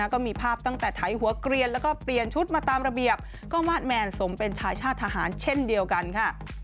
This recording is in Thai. ก็มีภาพตั้งแต่ไถหัวเกลียนแล้วก็เปลี่ยนชุดมาตามระเบียบก็มาสแมนสมเป็นชายชาติทหารเช่นเดียวกันค่ะ